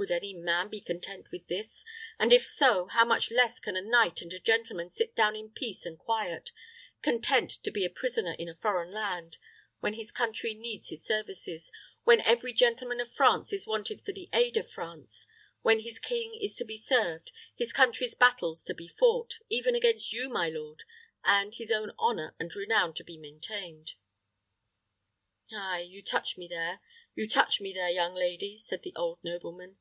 Would any man be content with this? and if so, how much less can a knight and a gentleman sit down in peace and quiet, content to be a prisoner in a foreign land, when his country needs his services, when every gentleman of France is wanted for the aid of France, when his king is to be served, his country's battles to be fought, even against you, my lord, and his own honor and renown to be maintained?" "Ay; you touch me there you touch me there, young lady," said the old nobleman.